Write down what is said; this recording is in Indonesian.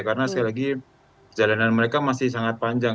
karena sekali lagi perjalanan mereka masih sangat panjang